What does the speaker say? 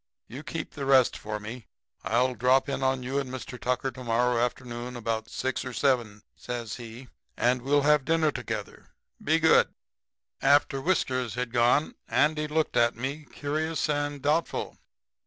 'You keep the rest for me. I'll drop in on you and Mr. Tucker to morrow afternoon about 6 or 7,' says he, 'and we'll have dinner together. Be good.' "After Whiskers had gone Andy looked at me curious and doubtful.